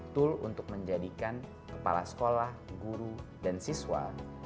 tool untuk menjadikan kepala sekolah guru dan siswa